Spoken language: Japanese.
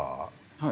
はい。